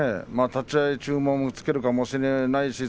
立ち合い注文をつけるかもしれませんね